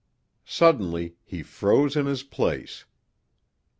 Suddenly he froze in his place.